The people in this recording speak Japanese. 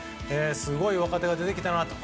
すごい若手が出てきたなと。